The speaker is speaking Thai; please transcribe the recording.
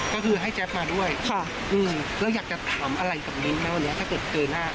ก็คือให้แจ๊บมาด้วยเราอยากจะถามอะไรกับมิ๊กไหมวันนี้ถ้าเกิดเจอหน้า